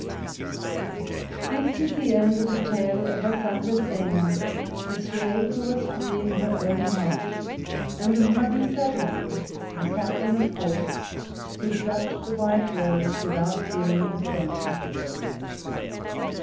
"_ _This is the end of the tale of Vasantasena, the slave who was free in her own heart, and of Madusadan, a captain of horse, who plucked the white rose without fearing the thorns.